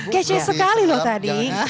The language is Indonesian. kece sekali loh tadi